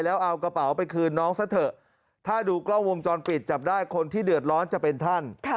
แล้วเอากระเป๋าไปคืนน้องซะเถอะถ้าดูกล้องวงจรปิดจับได้คนที่เดือดร้อนจะเป็นท่าน